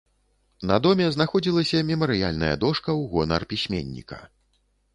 На доме знаходзілася мемарыяльная дошка ў гонар пісьменніка.